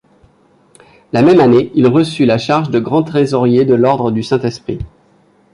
La même année, il reçut la charge de grand trésorier de l'ordre du Saint-Esprit.